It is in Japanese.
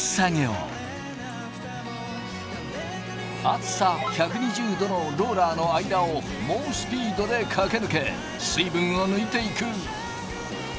熱さ１２０℃のローラーの間を猛スピードで駆け抜け水分を抜いていく。